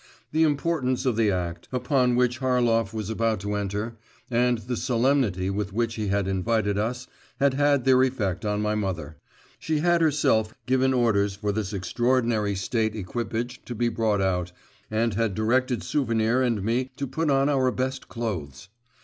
The importance of the act upon which Harlov was about to enter, and the solemnity with which he had invited us, had had their effect on my mother. She had herself given orders for this extraordinary state equipage to be brought out, and had directed Souvenir and me to put on our best clothes.